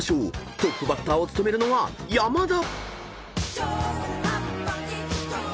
トップバッターを務めるのは山田］